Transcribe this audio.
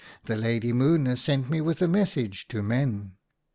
'The Lady Moon has sent me with a message to Men.'